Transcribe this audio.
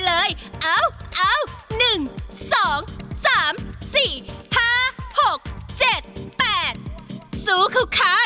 เลยเอ้าเอ้าหนึ่งสองสามสี่ห้าหกเจ็ดแปดสู้ค่าวค่า